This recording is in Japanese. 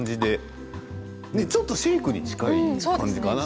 ちょっとシェークに近い感じかな